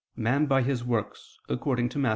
man by his works, according to Matt.